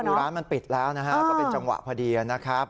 คือร้านมันปิดแล้วนะฮะก็เป็นจังหวะพอดีนะครับ